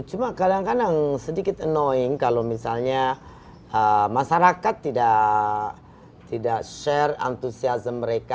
cuma kadang kadang sedikit annoing kalau misalnya masyarakat tidak share antusiasme mereka